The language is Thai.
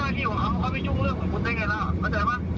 เขาไม่ยุ่งเรื่องของคุณเองไงล่ะ